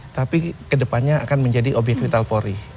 tapi kedepannya akan menjadi obyek vital polri